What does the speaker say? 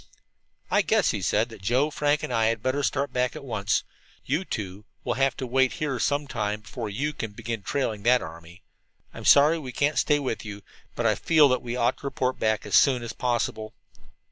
"I guess," he said, "that Joe, Frank and I had better start back at once. You two will have to wait here some time before you can begin trailing that army. I'm sorry we can't stay with you, but I feel that we ought to report back as soon as possible."